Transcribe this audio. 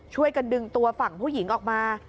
ช่วยกันดึงตัวฝั่งผู้หญิงออกมา